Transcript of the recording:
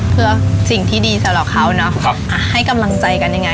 เพื่อสิ่งที่ดีสำหรับเขาเนาะให้กำลังใจกันยังไง